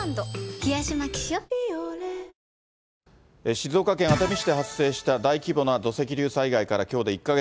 静岡県熱海市で発生した大規模な土石流災害からきょうで１か月。